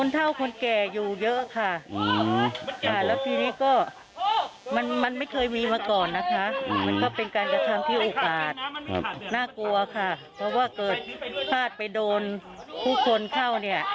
น่ากลัวค่ะเพราะว่าเกิดพลาดไปโดนผู้คนเข้า